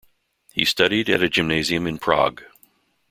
He studied at a gymnasium in Prague.